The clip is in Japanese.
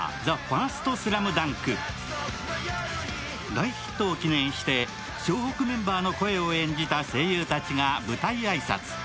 大ヒットを記念して湘北メンバーの声を演じた声優たちが舞台挨拶。